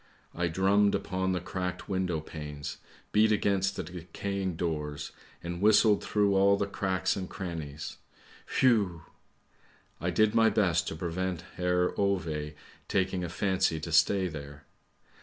I drummed upon the cracked window panes, beat against the decaying doors, and whistled through all the cracks and crannies, whew! I did my best to prevent Herr Ove taking a fancy to stay there.